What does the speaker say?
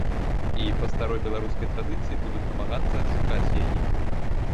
І, па старой беларускай традыцыі, буду намагацца адшукаць яе.